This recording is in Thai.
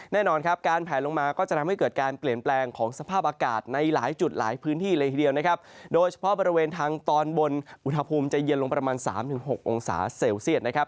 แน่นอนครับการแผลลงมาก็จะทำให้เกิดการเปลี่ยนแปลงของสภาพอากาศในหลายจุดหลายพื้นที่เลยทีเดียวนะครับโดยเฉพาะบริเวณทางตอนบนอุณหภูมิจะเย็นลงประมาณ๓๖องศาเซลเซียตนะครับ